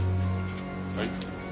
はい？